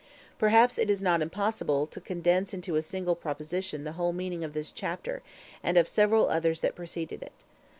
Perhaps it is not impossible to condense into a single proposition the whole meaning of this chapter, and of several others that preceded it.